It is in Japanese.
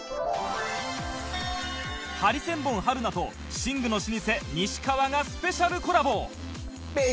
ハリセンボン春菜と寝具の老舗西川がスペシャルコラボ！